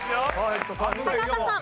高畑さん。